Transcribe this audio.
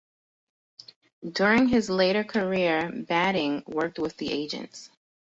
During his later career, Badding worked with the Agents.